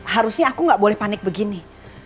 harusnya aku nggak boleh panik begini